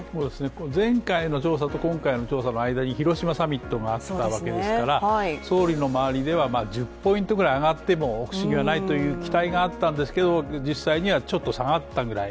前回の調査と今回の調査の間に広島サミットもあったわけですから総理の周りでは１０ポイントぐらい上がっても不思議はないという期待があったんですけど実際にはちょっと下がったくらい。